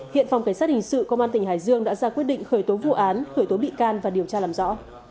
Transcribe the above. hiện phòng cảnh sát hình sự công an tỉnh hải dương đã ra quyết định khởi tố vụ án khởi tố bị can và điều tra làm rõ